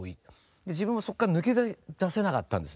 自分もそこから抜け出せなかったんですね。